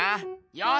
よし！